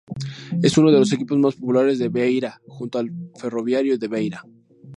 Es uno de los equipos más populares de Beira junto al Ferroviário da Beira.